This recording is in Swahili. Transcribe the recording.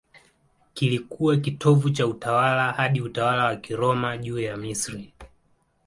Kilikuwa kitovu cha utawala hadi utawala wa Kiroma juu ya Misri.